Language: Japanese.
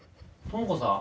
知子さん？